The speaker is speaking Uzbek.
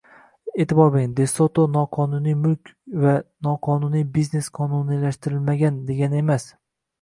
E'tibor bering, De Soto noqonuniy mulk va noqonuniy biznes qonuniylashtirilmagan degani emas